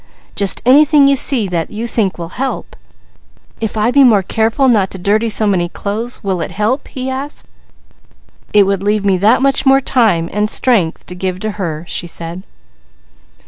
"Just anything you see that you think will help." "If I be more careful not to dirty so many clothes, will it help?" he asked. "It would leave me that much more time and strength to give to her," she said.